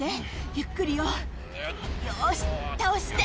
ゆっくりよよし倒して。